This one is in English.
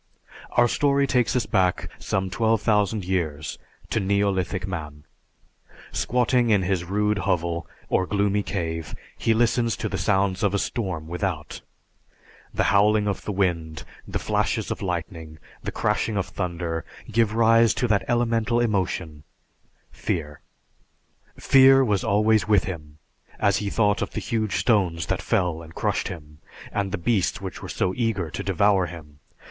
_) Our story takes us back some twelve thousand years to neolithic man. Squatting in his rude hovel or gloomy cave, he listens to the sounds of a storm without. The howling of the wind, the flashes of lightning, and crashing of thunder give rise to that elemental emotion fear. Fear was always with him, as he thought of the huge stones that fell and crushed him, and the beasts which were so eager to devour him.